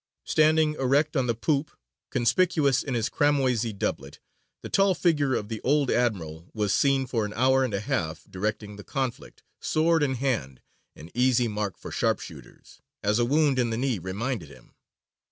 Standing erect on the poop, conspicuous in his cramoisy doublet, the tall figure of the old admiral was seen for an hour and a half directing the conflict, sword in hand, an easy mark for sharpshooters, as a wound in the knee reminded him.